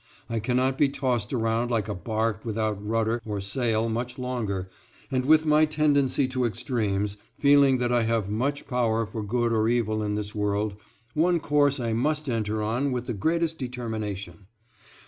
I cannot be tossed around like a bark without rudder or sail much longer and with my tendency to extremes, feeling that I have much power for good or evil in this world, one course I must enter on with the greatest determination.